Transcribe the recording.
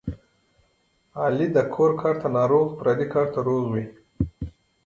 علي د کور کار ته ناروغ پردي کار ته روغ وي.